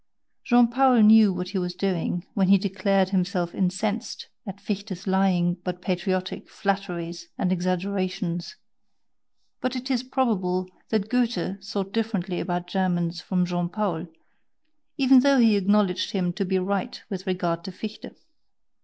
Jean Paul knew what he was doing when he declared himself incensed at Fichte's lying but patriotic flatteries and exaggerations, but it is probable that Goethe thought differently about Germans from Jean Paul, even though he acknowledged him to be right with regard to Fichte.